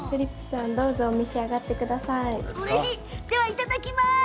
いただきます！